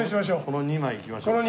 この２枚いきましょう。